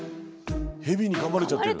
ヘビにかまれちゃってる。